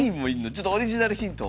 ちょっとオリジナルヒント。